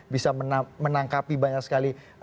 bisa menangkapi banyak sekali